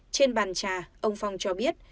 trên bàn trà ông phong cho biết